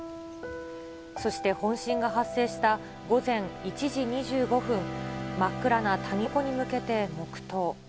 そして本震が発生した午前１時２５分、真っ暗な谷底に向けて黙とう。